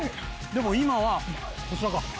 でも今はこちらが。